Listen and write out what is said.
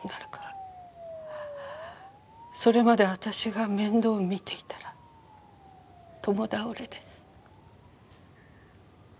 それまで私が面倒見ていたら共倒れです。